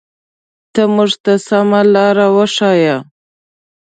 ته مونږ ته سمه لاره وښایه.